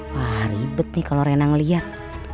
wah ribet nih kalau rena ngeliat